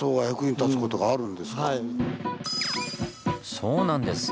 そうなんです。